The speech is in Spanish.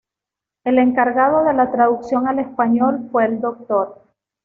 El encargado de la traducción al español fue el Dr.